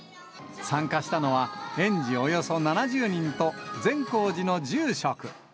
参加したのは園児およそ７０人と、善光寺の住職。